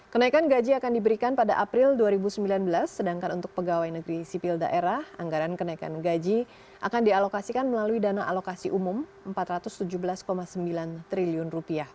kenaikan gaji akan diberikan pada april dua ribu sembilan belas sedangkan untuk pegawai negeri sipil daerah anggaran kenaikan gaji akan dialokasikan melalui dana alokasi umum rp empat ratus tujuh belas sembilan triliun